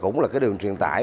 cũng là đường truyền tài